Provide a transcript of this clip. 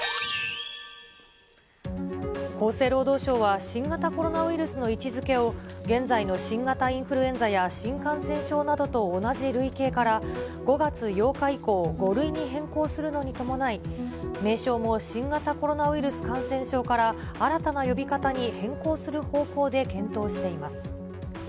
厚生労働省は新型コロナウイルスの位置づけを、現在の新型インフルエンザや新感染症などと同じ類型から５月８日以降、５類に変更するのに伴い、名称も新型コロナウイルス感染症から新たな呼び方に変更する方向で検討しています。